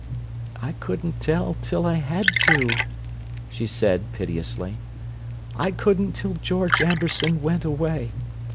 "I couldn't tell till I had to," she said piteously. "I couldn't till George Amberson went away.